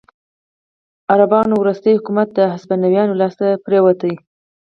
عربانو وروستی حکومت د هسپانویانو لاسته پرېوت.